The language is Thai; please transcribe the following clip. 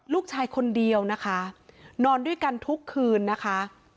ลูกชายคนเดียวนะคะนอนด้วยกันทุกคืนนะคะ